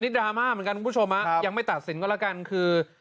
ดราม่าเหมือนกันคุณผู้ชมยังไม่ตัดสินก็แล้วกันคือ